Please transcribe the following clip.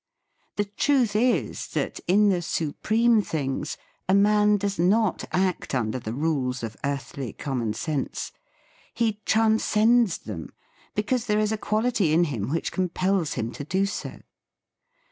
The truth is that, in the supreme things, a man does not act under the rules of earthly common sense. He transcends them, because there is a quality in him which compels him to do so.